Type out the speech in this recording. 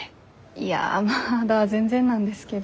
いやまだ全然なんですけど。